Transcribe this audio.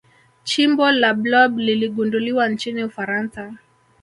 chimbo la blob liligunduliwa nchini ufaransa